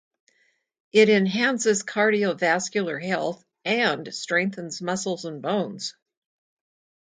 It enhances cardiovascular health and strengthens muscles and bones.